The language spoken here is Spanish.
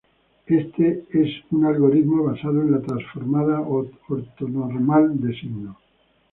Este es un algoritmo basado en la transformada ortonormal de signo.